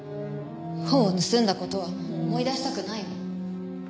本を盗んだ事はもう思い出したくないの。